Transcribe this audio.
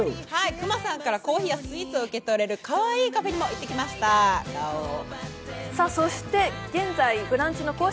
熊さんからコーヒーやスイーツを受け取れるかわいいカフェにも行ってきました、ガオー。